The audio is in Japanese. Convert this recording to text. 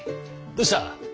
どうした？